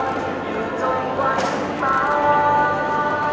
ขอบคุณทุกคนมากครับที่ทุกคนรัก